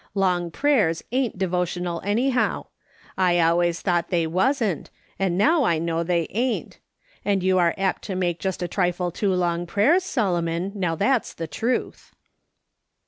Long prayers ain't devo tional, anyhow ; I always thought they wasn't, and now I know they ain't ; and you arc apt to make just a trifle too long prayers, Solomon, now that's the truth.'